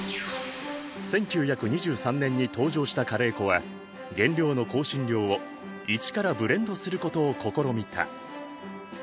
１９２３年に登場したカレー粉は原料の香辛料を一からブレンドすることを試みた。